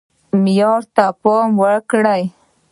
معیار ته پام وکړئ